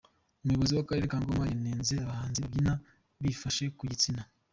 Umuyobozi w’Akarere ka Ngoma yanenze abahanzi babyina bifashe ku gitsina